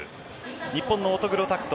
日本の乙黒拓斗